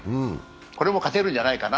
これも勝てるんじゃないかな。